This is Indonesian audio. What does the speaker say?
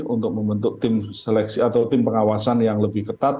untuk membentuk tim seleksi atau tim pengawasan yang lebih ketat